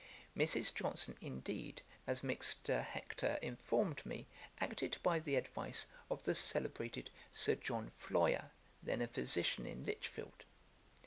Mrs. Johnson indeed, as Mr. Hector informed me, acted by the advice of the celebrated Sir John Floyer, then a physician in Lichfield.